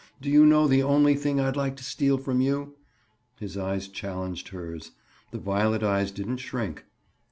"Do you know the only thing I'd like to steal from you?" His eyes challenged hers; the violet eyes didn't shrink.